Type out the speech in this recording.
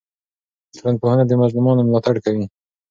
ټولنپوهنه د مظلومانو ملاتړ کوي.